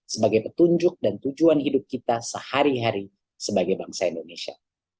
sebagai petunjuk dan tujuan hidup kita sehari hari sebagai bangsa indonesia